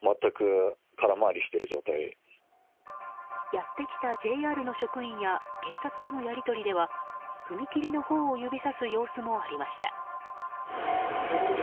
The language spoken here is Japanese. やってきたＪＲの職員や警察とのやり取りでは踏切のほうを指さす様子もありました。